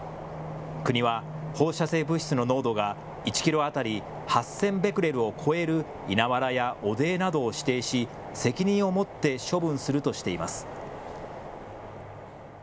国は放射性物質の濃度が１キロ当たり８０００ベクレルを超える稲わらや汚泥などを指定し責任を持って処分するとしています。